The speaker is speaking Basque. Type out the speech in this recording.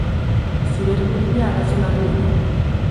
Ziberbullyinga arazo larria da.